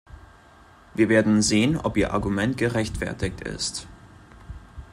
Wir werden sehen, ob Ihr Argument gerechtfertigt ist.